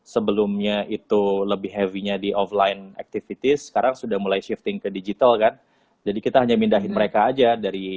sebelumnya itu lebih heavy nya di offline activities sekarang sudah mulai shifting ke digital kan jadi kita hanya mindahin mereka aja dari